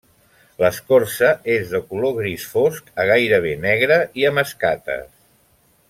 L'escorça és de color gris fosc a gairebé negre i amb escates.